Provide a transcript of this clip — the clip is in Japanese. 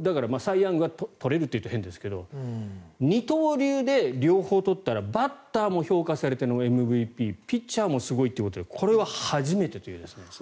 だから、サイ・ヤング賞は取れると言ったら変ですけど二刀流で両方取ったらバッターも評価されてのＭＶＰピッチャーもすごいってことでこれは初めてという。